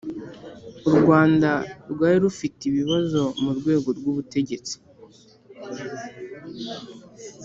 u rwanda rwari rufite ibibazo mu rwego rw'ubutegetsi